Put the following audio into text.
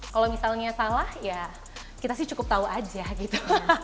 kalau misalnya salah ya kita sih cukup tahu aja gitu